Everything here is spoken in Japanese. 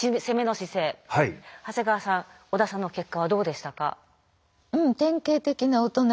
長谷川さん織田さんの結果はどうでしたか？